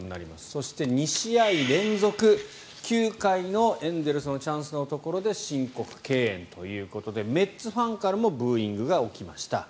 そして２試合連続９回のエンゼルスのチャンスのところで申告敬遠ということでメッツファンからもブーイングが起きました。